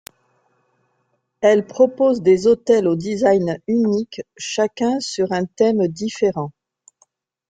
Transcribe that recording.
Elle propose des hôtels aux designs uniques chacun sur un thème différent.